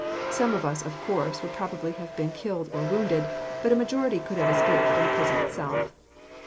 Some of us, of course, would probably have been killed or wounded, but a majority could have escaped from the prison itself.